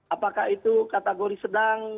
apakah itu kategori sedang